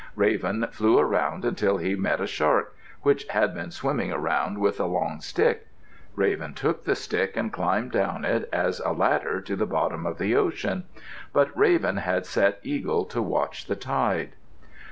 Raven flew around until he met a shark, which had been swimming around with a long stick. Raven took the stick and climbed down it as a ladder to the bottom of the ocean. But Raven had set Eagle to watch the tide.